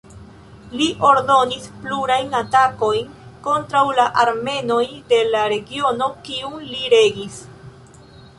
Li ordonis plurajn atakojn kontraŭ la armenoj de la regiono kiun li regis.